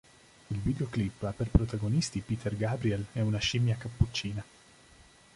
Il videoclip ha per protagonisti Peter Gabriel e una scimmia cappuccina.